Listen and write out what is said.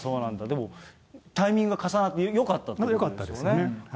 でも、タイミングが重なってよかったということですね。